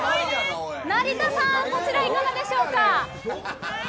成田さん、そちらいかがでしょうか？